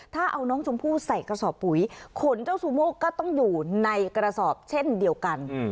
ถ้าเอาน้องชมพู่ใส่กระสอบปุ๋ยขนเจ้าซูโม่ก็ต้องอยู่ในกระสอบเช่นเดียวกัน